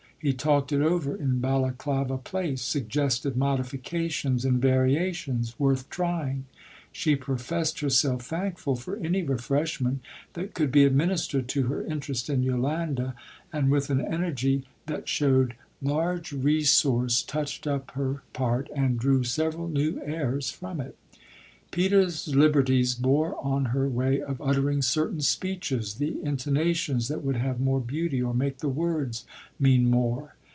He talked it over in Balaklava Place, suggested modifications and variations worth trying. She professed herself thankful for any refreshment that could be administered to her interest in Yolande, and with an energy that showed large resource touched up her part and drew several new airs from it. Peter's liberties bore on her way of uttering certain speeches, the intonations that would have more beauty or make the words mean more.